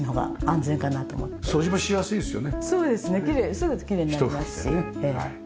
すぐきれいになりますし。